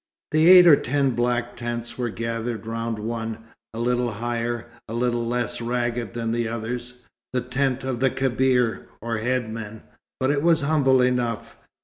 The eight or ten black tents were gathered round one, a little higher, a little less ragged than the others the tent of the Kebir, or headman; but it was humble enough.